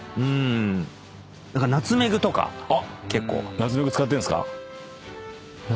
ナツメグ使ってんですか？